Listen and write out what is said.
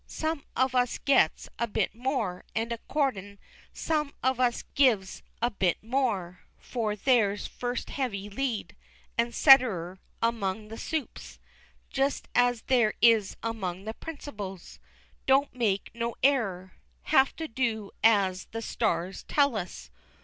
Some on us gets a bit more, and accordin' some on us gives a bit more; for there's first heavy lead, and setterer, among the supes, just as there is among the principles, don't make no error! _Have to do as the "stars" tell us?